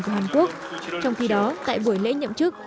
của hàn quốc trong khi đó tại buổi lễ nhậm chức